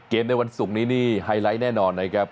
ในวันศุกร์นี้นี่ไฮไลท์แน่นอนนะครับ